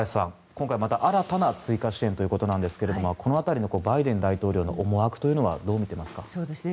今回、また新たな追加支援ということですがこの辺りのバイデン大統領の思惑はどう見ていますか？